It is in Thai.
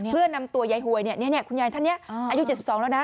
เพื่อนำตัวยายหวยเนี่ยนี่คุณยายท่านเนี่ยอายุ๗๒แล้วนะ